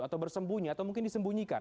atau bersembunyi atau mungkin disembunyikan